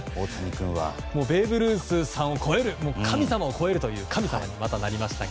ベーブ・ルースさんを神様を超えるということになりましたが。